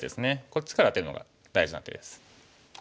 こっちからアテるのが大事な手です。